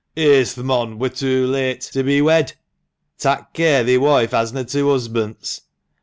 " Here's th' mon wur too late to be wed !"—" Tak' care thi woife hasna two husbants